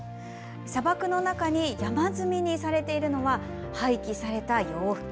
砂漠の中に山積みにされているのは廃棄された洋服。